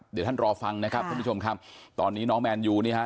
เดี๋ยวท่านรอฟังนะครับท่านผู้ชมครับตอนนี้น้องแมนยูนี่ฮะ